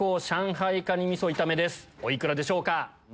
お幾らでしょうか？